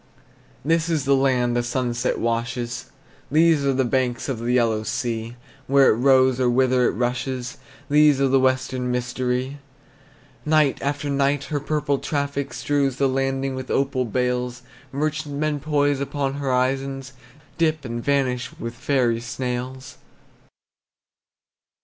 This is the land the sunset washes, These are the banks of the Yellow Sea; Where it rose, or whither it rushes, These are the western mystery! Night after night her purple traffic Strews the landing with opal bales; Merchantmen poise upon horizons, Dip, and vanish with fairy sails.